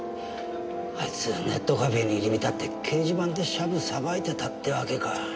あいつネットカフェに入り浸って掲示板でシャブさばいてたってわけか。